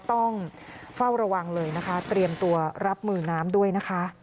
ต้องเฝ้าระวังเลยนะคะเตรียมตัวรับมือน้ำด้วยนะคะ